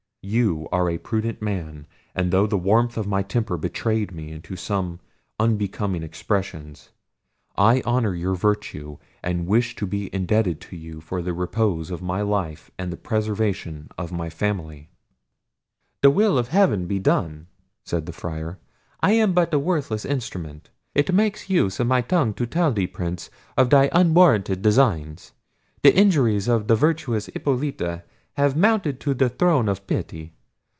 You are a prudent man, and though the warmth of my temper betrayed me into some unbecoming expressions, I honour your virtue, and wish to be indebted to you for the repose of my life and the preservation of my family." "The will of heaven be done!" said the Friar. "I am but its worthless instrument. It makes use of my tongue to tell thee, Prince, of thy unwarrantable designs. The injuries of the virtuous Hippolita have mounted to the throne of pity.